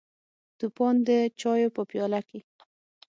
توپان د چایو په پیاله کې: